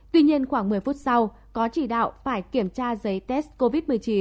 tuy nhiên khoảng một mươi phút sau có chỉ đạo phải kiểm tra giấy test covid một mươi chín